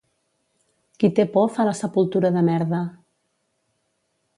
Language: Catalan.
Qui té por fa la sepultura de merda.